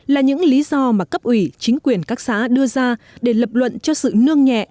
là những lý do mà cấp ủy chính quyền các xã đưa ra để lập luận cho sự nương nhẹ